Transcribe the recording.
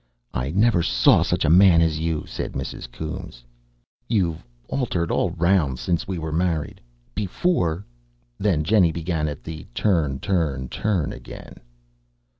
"I never saw such a man as you," said Mrs. Coombes. "You've altered all round since we were married. Before " Then Jennie began at the turn, turn, turn again.